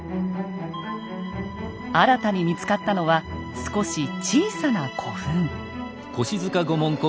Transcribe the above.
新たに見つかったのは少し小さな古墳。